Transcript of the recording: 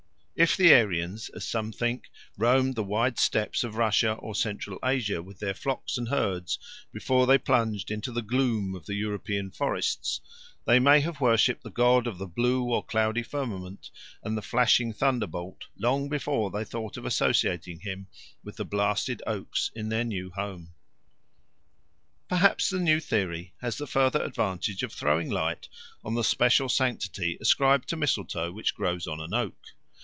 If the Aryans, as some think, roamed the wide steppes of Russia or Central Asia with their flocks and herds before they plunged into the gloom of the European forests, they may have worshipped the god of the blue or cloudy firmament and the flashing thunderbolt long before they thought of associating him with the blasted oaks in their new home. Perhaps the new theory has the further advantage of throwing light on the special sanctity ascribed to mistletoe which grows on an oak.